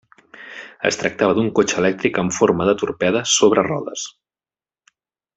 Es tractava d'un cotxe elèctric amb forma de torpede sobre rodes.